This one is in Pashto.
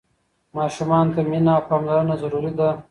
ماشومانو ته مينه او پاملرنه ضروري ده.